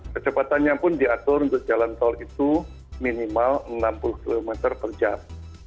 kecepatannya pun diatur untuk jalan tol itu minimal enam puluh km per jam